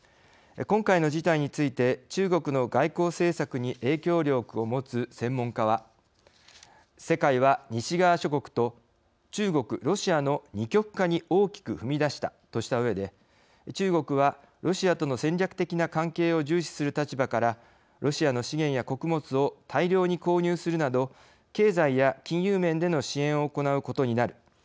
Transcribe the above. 今回の事態について中国の外交政策に影響力を持つ専門家は「世界は西側諸国と中国・ロシアの二極化に大きく踏み出した」としたうえで中国はロシアとの戦略的な関係を重視する立場からロシアの資源や穀物を大量に購入するなど経済や金融面での支援を行なうことになる